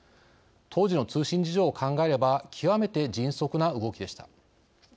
当時の通信事情を考えれば極めて迅速な動きでした。